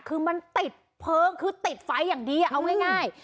คือมันติดเพลิงคือติดไฟอย่างดีเอาง่าย